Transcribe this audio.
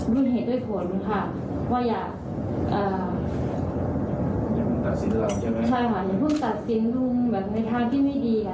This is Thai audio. รุนเหตุด้วยผลค่ะว่าอย่าอ่าใช่ค่ะอย่าเพิ่งตัดสินรุนแบบในทางที่ไม่ดีค่ะ